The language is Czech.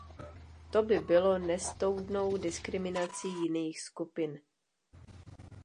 To by bylo nestoudnou diskriminací jiných skupin.